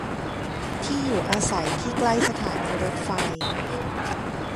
ที่อยู่อาศัยที่ใกล้สถานีรถไฟ